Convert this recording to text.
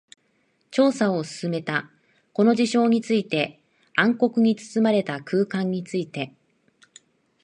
調査を進めた。この事象について、暗黒に包まれた空間について。